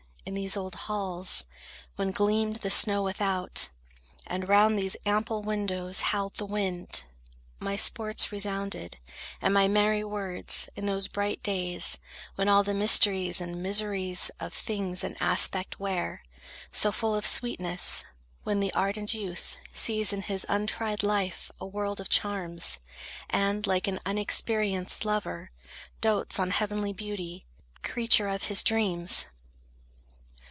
In these old halls, when gleamed the snow without, And round these ample windows howled the wind, My sports resounded, and my merry words, In those bright days, when all the mysteries And miseries of things an aspect wear, So full of sweetness; when the ardent youth Sees in his untried life a world of charms, And, like an unexperienced lover, dotes On heavenly beauty, creature of his dreams!